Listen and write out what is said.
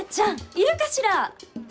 いるかしら？